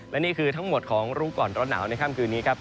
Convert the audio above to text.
และนี่คือทั้งหมดของรู้ก่อนร้อนหนาวในค่ำคืนนี้ครับ